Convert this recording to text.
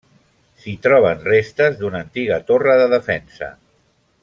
S'hi troben restes d’una antiga torre de defensa.